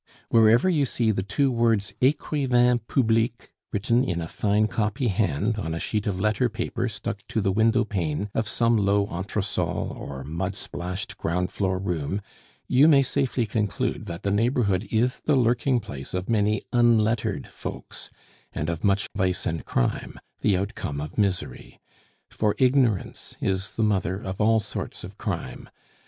Wherever you see the two words "Ecrivain Public" written in a fine copy hand on a sheet of letter paper stuck to the window pane of some low entresol or mud splashed ground floor room, you may safely conclude that the neighborhood is the lurking place of many unlettered folks, and of much vice and crime, the outcome of misery; for ignorance is the mother of all sorts of crime.